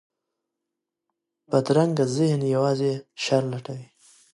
بدرنګه ذهن یوازې شر لټوي